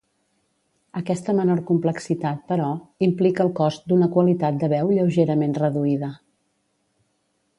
Aquesta menor complexitat, però, implica el cost d'una qualitat de veu lleugerament reduïda.